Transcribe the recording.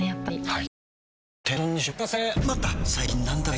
はい。